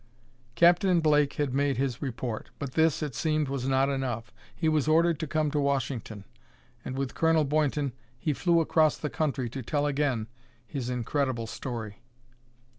Captain Blake had made his report, but this, it seemed, was not enough. He was ordered to come to Washington, and, with Colonel Boynton, he flew across the country to tell again his incredible story.